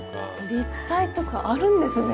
立体とかあるんですね。